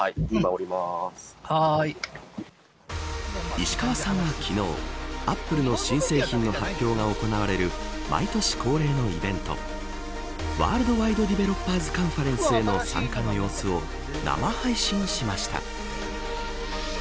石川さんは、昨日アップルの新製品の発表が行われる毎年恒例のイベントワールドワイドディベロッパーズカンファレンスへの参加の様子を生配信しました。